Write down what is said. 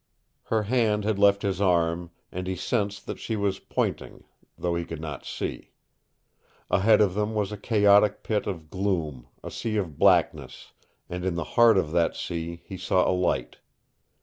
Her hand had left his arm, and he sensed that she was pointing, though he could not see. Ahead of them was a chaotic pit of gloom, a sea of blackness, and in the heart of that sea he saw a light.